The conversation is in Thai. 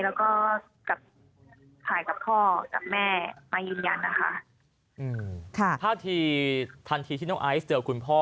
แล้วก็กับถ่ายกับพ่อกับแม่มายืนยันนะคะอืมค่ะท่าทีทันทีที่น้องไอซ์เจอคุณพ่อ